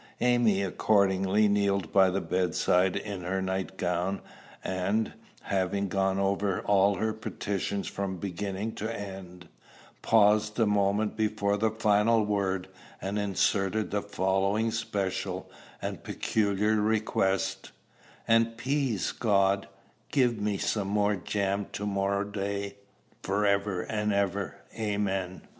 Amy accordingly kneeled by the bedside in her night gown, and, having gone over all her petitions from beginning to end, paused a moment before the final word, and inserted the following special and peculiar request: "And, p'ease God, give me some more jam to morrow day, for ever and ever. Amen."